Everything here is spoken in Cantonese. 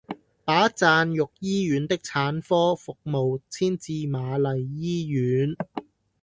把贊育醫院的產科服務遷至瑪麗醫院